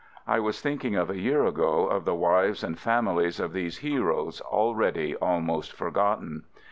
I was thinking of a year ago, of the wives and families of these heroes already almost forgotten.